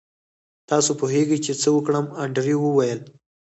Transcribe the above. تاسو پوهیږئ چې څه وکړم انډریو وویل